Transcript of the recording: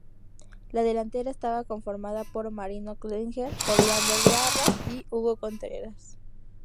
La delantera estaba conformada por Marino Klinger, Orlando Larraz y Hugo Contreras.